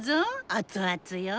熱々よ。